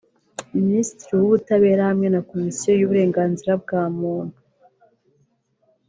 Minisiteri y’Ubutabera hamwe na Komisiyo y’Uburenganzira bwa Muntu